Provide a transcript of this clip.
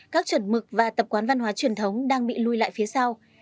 các chuẩn mực và tập quán văn hóa truyền thống đang bị lùi lại phía sau